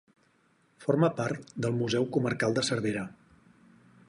Forma part del Museu Comarcal de Cervera.